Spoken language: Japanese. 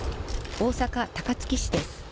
大阪・高槻市です。